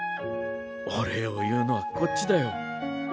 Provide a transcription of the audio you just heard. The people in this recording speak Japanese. お礼を言うのはこっちだよ。